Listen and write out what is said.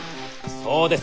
そうです！